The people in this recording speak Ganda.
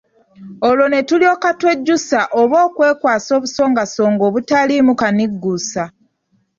Olwo ne tulyoka twejjusa oba okwekwasa obusongasonga obutaliimu kanigguusa.